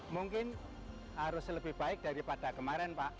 melupas semua perinduan